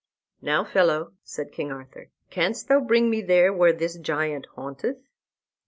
"Now, fellow," said King Arthur, "canst thou bring me there where this giant haunteth?"